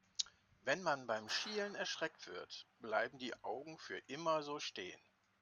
Wenn man beim Schielen erschreckt wird, bleiben die Augen für immer so stehen.